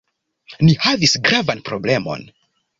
Ni havis gravan problemon.